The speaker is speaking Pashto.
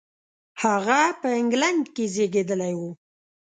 هغه په انګلېنډ کې زېږېدلی و.